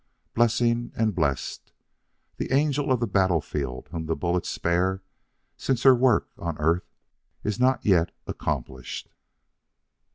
Blessing and blest! the angel of the battlefield whom the bullets spare since her work on earth is not yet accomplished!